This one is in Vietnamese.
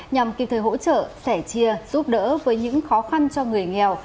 nhằm kịp thời hỗ trợ sẻ chia giúp đỡ với những khó khăn cho người nghèo